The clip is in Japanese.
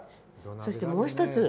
そして、もう一つ。